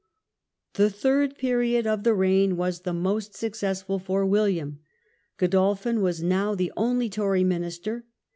The third period of the reign was the most successful for William. Godolphin was now the only Tory minister.